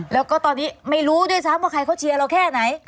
แล้วก็ตอนนี้ไม่รู้ด้วยซ้ำว่าใครเขาเชียร์เราแค่ไหน